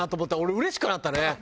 俺うれしくなったね！